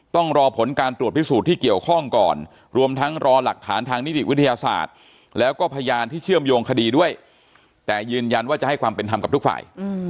ต้องรอผลการตรวจพิสูจน์ที่เกี่ยวข้องก่อนรวมทั้งรอหลักฐานทางนิติวิทยาศาสตร์แล้วก็พยานที่เชื่อมโยงคดีด้วยแต่ยืนยันว่าจะให้ความเป็นธรรมกับทุกฝ่าย